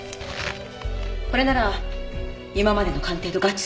これなら今までの鑑定と合致するでしょ？